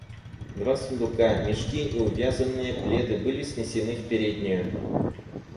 Два сундука, мешки и увязанные пледы были снесены в переднюю.